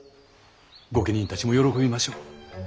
御家人たちも喜びましょう。